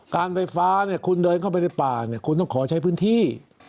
การไฟฟ้าเนี่ยคุณเดินเข้าไปในป่าเนี่ยคุณต้องขอใช้พื้นที่